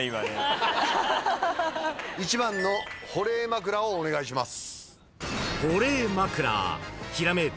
１番の「保冷枕」をお願いします。